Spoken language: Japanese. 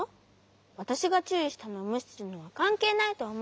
わたしがちゅういしたのをむしするのはかんけいないとおもうし。